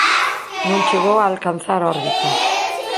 Non chegou a alcanzar órbita.